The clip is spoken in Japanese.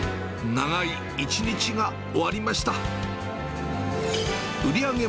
長い一日が終わりました。